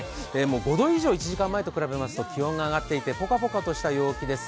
５度以上、１時間前と比べますと気温が上がっていてポカポカとする陽気です。